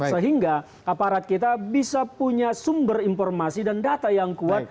sehingga aparat kita bisa punya sumber informasi dan data yang kuat